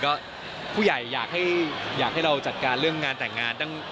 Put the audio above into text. ก็ผู้ใหญ่อยากให้เราจัดการเรื่องงานแต่งงาน